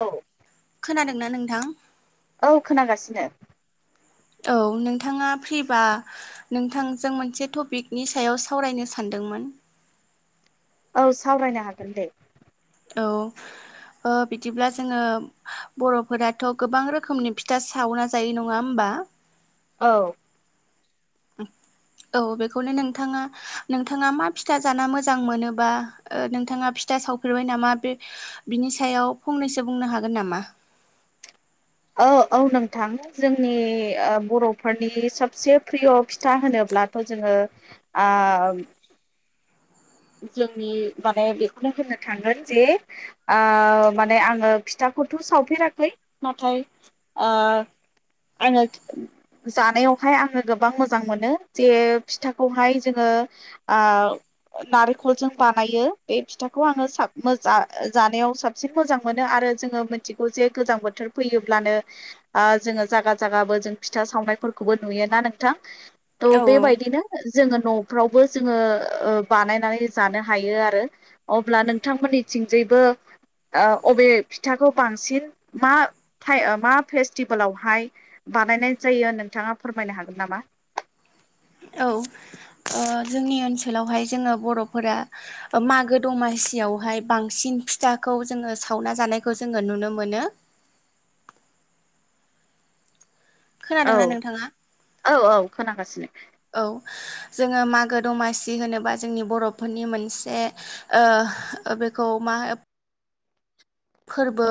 औ। खोनादोंना नोंथां? औ खोनागासिनो। औ नोंथाङा फ्रिबा नोंथांजों मोनसे टपिकनि सायाव सावरायनो सानदों मोन। औ सावरायनो हागोन दे। औ ओ बिदिब्ला जोङो बर'फोराथ' गोबां रोखोमनि फिथा सावना जायो नङा होमबा? औ [inaudible] औ बेखौनो नोंथाङा नोंथाङा मा फिथा जाना मोजां मोनो बा ओ नोंथाङा फि था सावफेरबाय नामा बे बिनि सायाव फंनैसो बुंनो हागोन नामा? [inaudible] औ औ नोंथां जोंनि ओ बर'फोरनि सबसे प्रिय' फिथा होनोब्ला थ' जोङो आ जोंनि माने बेखौनो होननो थांगोन जे आ माने आङो फिथा खौथ' सावफेराखै नाथाय ओ आङो जानायावहाय आङो गोबां मोजां मोनो जे फिथाखौहाय जोङो ओ आ नारेंखलजों बानायो बे फिथाखौ आङो [unintelligible] जानायाव साबसिन मोजां मोनो आरो जोङो मिथिगौ जे गोजां बोथोर फैयोब्लानो आ जोङो जागा जागाबो जों फिथा सावनाय खौबो नुयोना नोंथां थ' औ औ बेबायदिनो जोङो न'फ्रावबो जोङो ओ बानायनानै जानो हायो आरो। अब्ला नोंथांमोननि थिंजायबो ओ अबे फिथाखौ बांसिन मा थाय ओ मा फेस्टिभेलावहाय बानायनाय जायो नोंथाङा फोरमायनो हागोन नामा? औ। ओ जोंनि ओनसोलावहाय जोङो बर'फोरा ओ मागो दमासियावहाय बांसिन फिथाखौ जोङो सावना जानायखौ जोङो नुनो मोनो। [inaudible] औ खोनादोंना नोंथाङा? औ औ खोनागासिनो। औ जोङो मागो दमासि होनोबा जोंनि बर'फोरनि मोनसे ओ बेखौ मा [unintelligible] फोरबो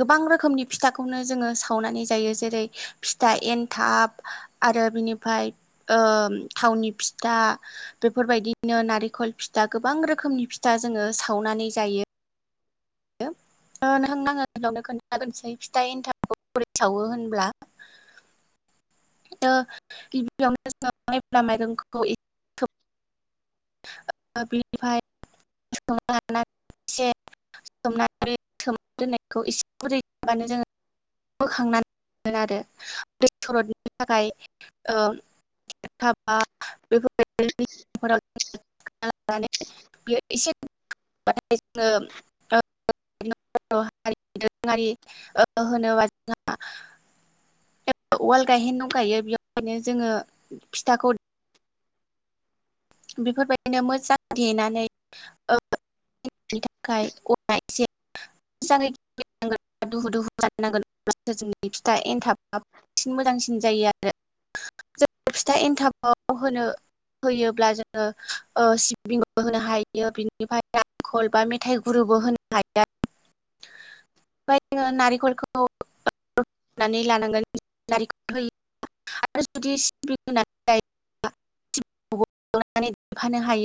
गोबां रोखोमनि फिथाखौनो जोङो सावनानै जायो जेरै फिथा एन थाब आरो बिनिफ्राय ओ थावनि फिथा बेफोर बायदि बिदिनो नारेंखल फिथा गोबां रोखोमनि फिथा जोङो सावनानै जायो। नों [unintelligible] आं गिबियावनो खोनथानोसै फिथा एनथाबखौ बोरै सावो होनब्ला ओ गिबियावनो जोङो मायब्रा माइरंखौ ओ बिनिफ्राय सोमना लानानै इसे सोमनानै सोमनानै दोननायखौ एसे गुरैबानो जोङो बोखांनानै दोनो आरो दै सरदनायनि थाखाय ओ थाबा बेफोर बायदि [unintelligible] [unintelligible] [unintelligible] दोरोङारि ओ होनोबा जोंहा उवाल गायहेन दंखायो बेवहायनो जोङो फिथाखौ बेफोर बायदिनो मोजां देनानै ओ नि थाखाय [unintelligible] मोजाङै देनांगोन दुहु दुहु जानांगोन अब्लासो जोंनि फिथा एनथाबा बांसिन मोजांसिन जायो आरो जों फिथा एनथाबाव होनो होयोब्ला जों ओ सिबिंबो होनो हायो बिनिफ्राय नारेंखल बा मेथाइ गुरुबो होनो हायो आरो ओमफ्राय जोङो नारेंखलखौ नानै लानांगोन नारेंखल होयोबा आरो जुदि सिबिं होनानै लायोबा सिबिंखौ एवनानै देफानो हायो।